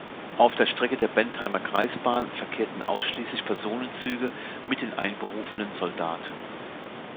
Auf der Strecke der Bentheimer Kreisbahn verkehrten ausschließlich Personenzüge mit den einberufenen Soldaten.